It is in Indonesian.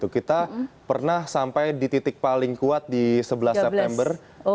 kita pernah sampai di titik paling kuat di sebelas september dua ribu tujuh belas